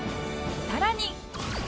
さらに